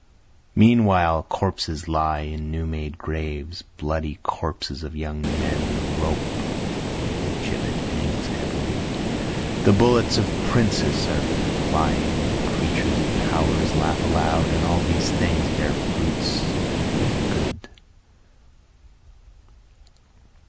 Meanwhile corpses lie in new made graves, bloody corpses of young men, The rope of the gibbet hangs heavily, the bullets of princes are flying, the creatures of power laugh aloud, And all these things bear fruits, and they are good.